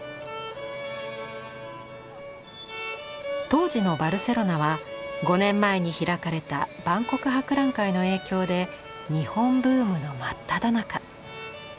当時のバルセロナは５年前に開かれた万国博覧会の影響で日本ブームの真っただ中。